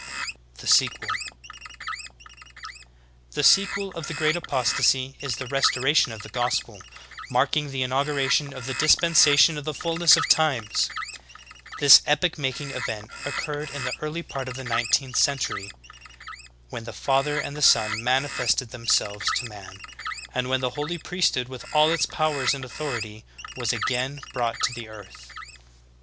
"* THE SEQUEL. 32. The sequel of the Great Apostasy is the Restoration of the Gospel, marking the inauguration of the Dispensation of the Fulness of Times. This epoch making event occurred in the early part of the nineteenth century, when the Father and the Son manifested themselves to man, and when the Holy Priesthood with all its powers and authority was again brought to earth.